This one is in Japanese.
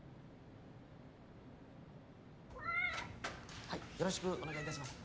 ニャはいよろしくお願いいたします